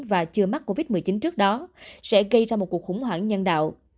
và chưa mắc covid một mươi chín trước đó sẽ gây ra một cuộc khủng hoảng nhân đạo